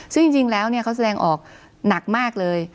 ซึ่งจริงแล้วเขาแสดงออกหนักมากเลย